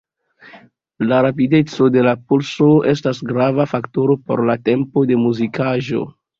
La rapideco de la pulso estas grava faktoro por la tempo de muzikaĵo.